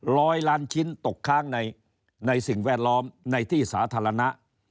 ร้อยล้านชิ้นตกค้างในสิ่งแวดล้อมในที่สาธารณะ